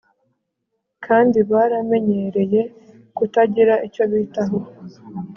kandi baramenyereye kutagira icyo bitaho